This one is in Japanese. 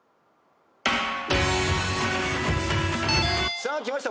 さあきました